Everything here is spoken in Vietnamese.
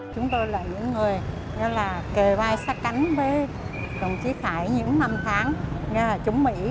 chúng tôi là những người kề vai sát cánh với đồng chí phan văn khải những năm tháng chống mỹ